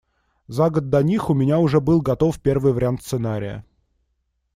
За год до них у меня уже был готов первый вариант сценария.